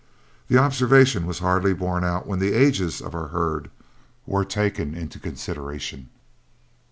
The observation was hardly borne out when the ages of our herd were taken into consideration.